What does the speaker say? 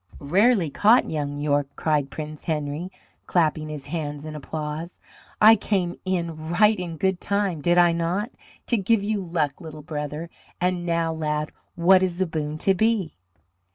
"Rarely caught, young York," cried Prince Henry, clapping his hands in applause. "I came in right in good time, did I not, to give you luck, little brother? And now, lad, what is the boon to be?"